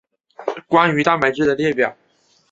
关于蛋白质的列表。